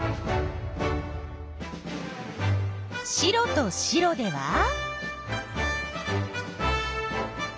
白と白では？